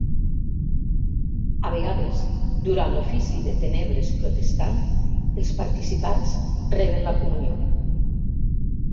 A vegades, durant l'Ofici de Tenebres Protestant, els participants reben la Comunió.